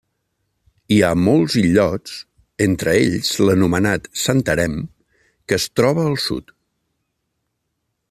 Hi ha molts illots entre ells l'anomenat Santarém que es troba al sud.